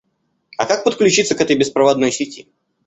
А как подключиться к этой беспроводной сети?